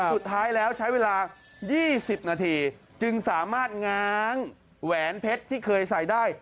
สุดท้ายแล้วใช้เวลา๒๐นาทีจึงสามารถง้างแหวนเพชรที่เคยใส่ได้